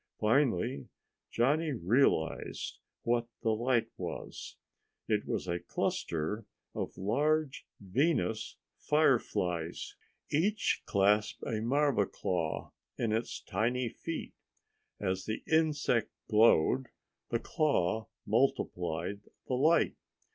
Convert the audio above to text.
Finally, Johnny realized what the light was. It was a cluster of the large Venus fireflies. Each clasped a marva claw in its tiny feet. As the insect glowed, the claw multiplied the light.